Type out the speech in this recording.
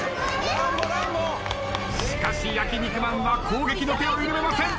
しかし焼肉マンは攻撃の手を緩めません。